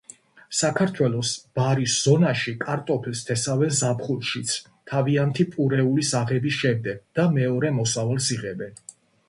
საქართველოს ბარის ზონაში კარტოფილს თესავენ ზაფხულშიც, თავთავიანი პურეულის აღების შემდეგ და მეორე მოსავალს იღებენ.